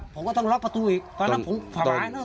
ผมก็ต้องล็อกประตูอีกตอนนั้นผมหายแล้ว